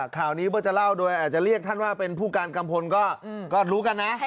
ข่าวนี้เพื่อจะเล่าโดยอาจจะเรียกท่านว่าเป็นผู้การกัมพลก็รู้กันนะ